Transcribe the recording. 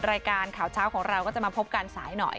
รายการข่าวเช้าของเราก็จะมาพบกันสายหน่อย